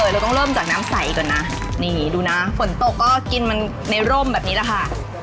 เราต้องเริ่มจากน้ำใสก่อนนะนี่ดูนะฝนตกก็กินมันในร่มแบบนี้แหละค่ะ